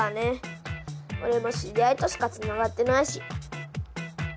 オレも知り合いとしかつながってないし。